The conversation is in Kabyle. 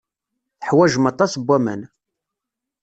Teḥwajem aṭas n waman.